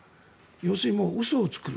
要するに嘘を作る。